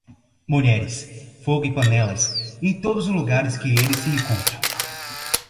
Mulheres, fogo e panelas, em todos os lugares que eles se encontram.